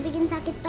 bikin sakit perut